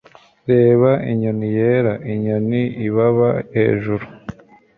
reba, inyoni yera-inyoni ibaba hejuru